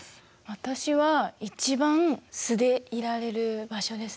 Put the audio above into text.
私は一番素でいられる場所ですね。